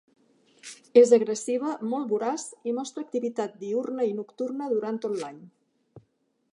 És agressiva, molt voraç i mostra activitat diürna i nocturna durant tot l'any.